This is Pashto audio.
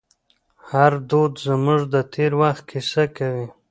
هر دود زموږ د تېر وخت کیسه کوي.